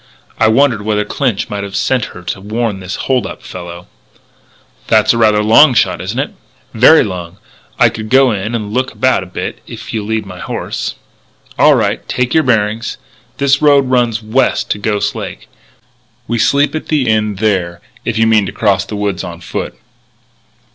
I wondered whether Clinch might have sent her to warn this hold up fellow." "That's rather a long shot, isn't it?" "Very long. I could go in and look about a bit, if you'll lead my horse." "All right. Take your bearings. This road runs west to Ghost Lake. We sleep at the Inn there if you mean to cross the woods on foot."